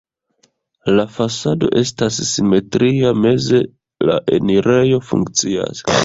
La fasado estas simetria, meze la enirejo funkcias.